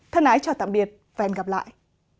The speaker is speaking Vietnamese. thân ái chào tạm biệt và hẹn gặp lại